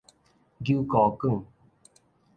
搝孤槓